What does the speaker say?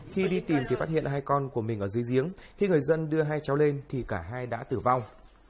khi đi tìm thì phát hiện hai con của mình ở dưới giếng khi người dân đưa hai cháu lên thì cả hai đã tử vong